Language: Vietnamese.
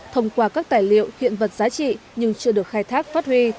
thông qua các tài liệu hiện vật giá trị nhưng chưa được khai thác phát huy